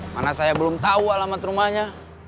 mana saya belum tahu alamat rumahnya